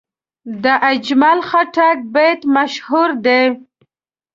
د اجمل خټک بیت مشهور دی.